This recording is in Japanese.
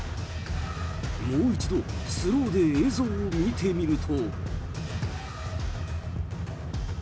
もう一度スローで映像を見てみると。